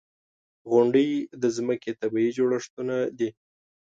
• غونډۍ د ځمکې طبعي جوړښتونه دي.